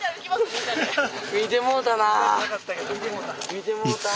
見てもうたなあ。